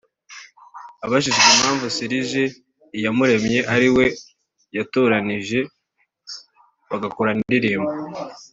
Abajijwe impamvu Serge Iyamuremye ari we yatoranyije bagakorana indimbo